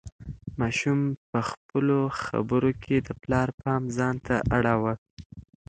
ماشوم په خپلو خبرو کې د پلار پام ځان ته اړاوه.